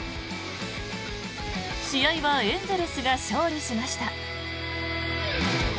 試合はエンゼルスが勝利しました。